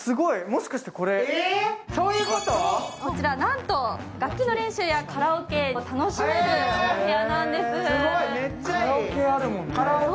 もしかしてこれこちらなんと楽器の練習やカラオケが楽しめるお部屋なんです。